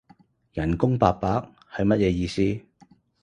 人工八百？係乜嘢意思？